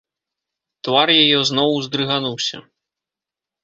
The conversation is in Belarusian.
Твар яе зноў уздрыгануўся.